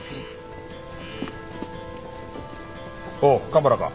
おう蒲原か。